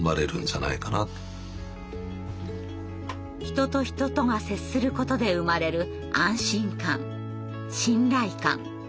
人と人とが接することで生まれる安心感信頼感。